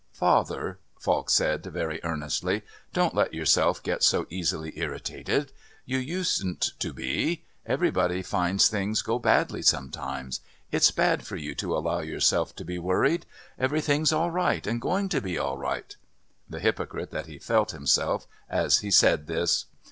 "Father," Falk said very earnestly, "don't let yourself get so easily irritated. You usedn't to be. Everybody finds things go badly sometimes. It's bad for you to allow yourself to be worried. Everything's all right and going to be all right." (The hypocrite that he felt himself as he said this!)